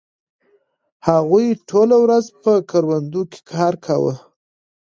هغوی ټوله ورځ په کروندو کې کار کاوه.